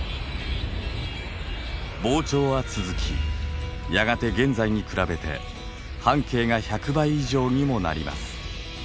膨張は続きやがて現在に比べて半径が１００倍以上にもなります。